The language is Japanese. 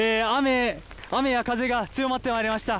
雨や風が強まってまいりました。